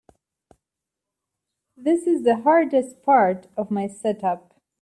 This is the hardest part of my setup.